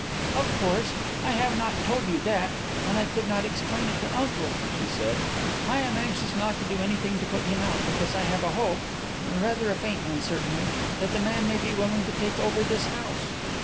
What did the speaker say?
"Of course: I have not told you that, and I could not explain it to uncle," she said. "I am anxious not to do anything to put him out because I have a hope rather a faint one, certainly that the man may be willing to take over this house."